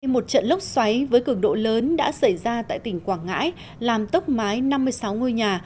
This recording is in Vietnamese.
một trận lốc xoáy với cường độ lớn đã xảy ra tại tỉnh quảng ngãi làm tốc mái năm mươi sáu ngôi nhà